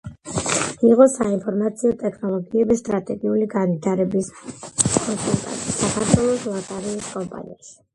იყო საინფორმაციო ტექნოლოგიების სტრატეგიული განვითარების კონსულტანტი საქართველოს ლატარიის კომპანიაში.